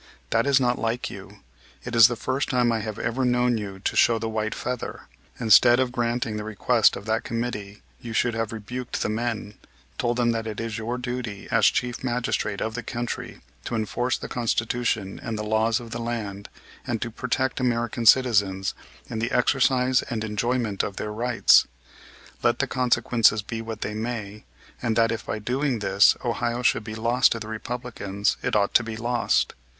That is not like you. It is the first time I have ever known you to show the white feather. Instead of granting the request of that committee, you should have rebuked the men, told them that it is your duty as chief magistrate of the country to enforce the Constitution and laws of the land, and to protect American citizens in the exercise and enjoyment of their rights, let the consequences be what they may; and that if by doing this Ohio should be lost to the Republicans it ought to be lost.